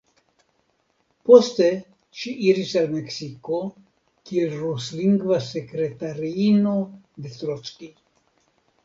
Poste ŝi iris al Meksiko kiel ruslingva sekretariino de Trockij.